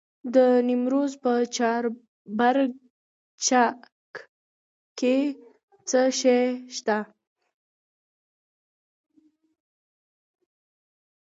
د نیمروز په چاربرجک کې څه شی شته؟